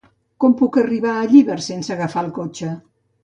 Com puc arribar a Llíber sense agafar el cotxe?